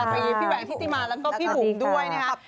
พี่แหวงทิติมาแล้วก็พี่บุ๋มด้วยนะครับ